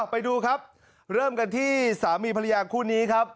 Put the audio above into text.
ไปดูครับเริ่มกันที่สามีภรรยาคู่นี้ครับ